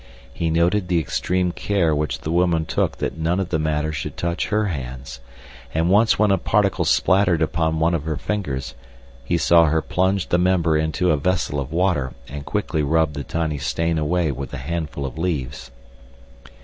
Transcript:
He noted the extreme care which the woman took that none of the matter should touch her hands, and once when a particle spattered upon one of her fingers he saw her plunge the member into a vessel of water and quickly rub the tiny stain away with a handful of leaves.